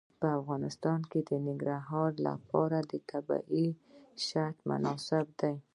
په افغانستان کې د ننګرهار لپاره طبیعي شرایط مناسب دي.